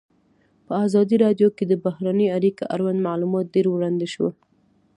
په ازادي راډیو کې د بهرنۍ اړیکې اړوند معلومات ډېر وړاندې شوي.